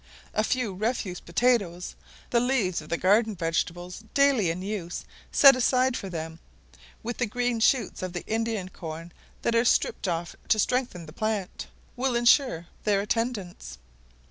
A few refuse potatoes, the leaves of the garden vegetables daily in use, set aside for them, with the green shoots of the Indian corn that are stripped off to strengthen the plant, will ensure their attendance.